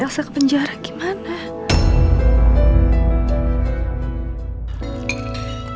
selesai ke penjara gimana